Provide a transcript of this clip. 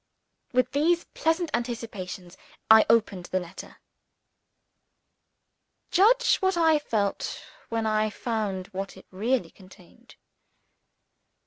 With these pleasant anticipations, I opened the letter. Judge what I felt when I found what it really contained.